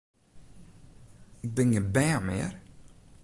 Ik bin gjin bern mear!